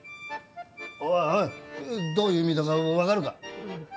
おいおいどういう意味だか分かるか？